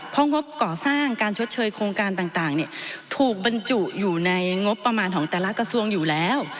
เพราะงบก่อสร้างการชดเชยโครงการต่างถูกบรรจุอยู่ในงบประมาณของแต่ละกระทรวงอยู่แล้ว